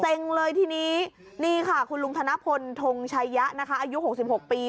เซ็งเลยทีนี้นี่ค่ะคุณลุงธนพลทรงชัยะอายุหกสิบหกปี